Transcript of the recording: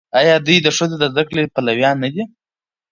آیا دوی د ښځو د زده کړې پلویان نه دي؟